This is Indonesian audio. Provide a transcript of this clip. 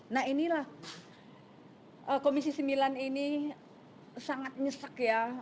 nah inilah komisi sembilan ini sangat nyesek ya